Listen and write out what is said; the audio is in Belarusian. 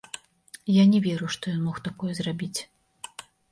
Я не веру, што ён мог такое зрабіць.